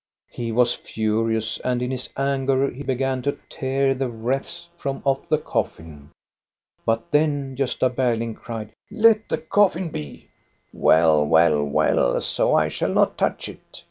He was furious, and in his anger he began to tear the wreaths from off the coffin ; but then Gosta Ber ling cried :" Let the coffin be !"" Well, well, well, so I shall not touch it